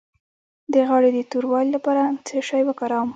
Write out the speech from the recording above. د غاړې د توروالي لپاره څه شی وکاروم؟